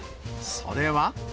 それは。